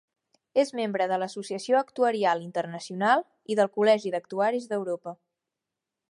És membre de l'Associació Actuarial Internacional i del Col·legi d'Actuaris d'Europa.